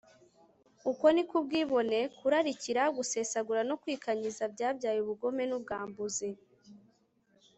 uko ni ko ubwibone, kurarikira, gusesagura, no kwikanyiza byabyaye ubugome n'ubwambuzi